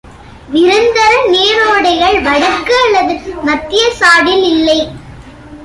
நிரந்தர நீரோடைகள் வடக்கு அல்லது மத்திய சாடில் இல்லை.